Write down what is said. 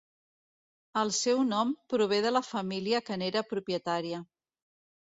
El seu nom prové de la família que n'era propietària.